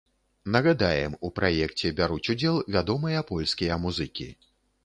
Нагадаем, у праекце бяруць удзел вядомыя польскія музыкі.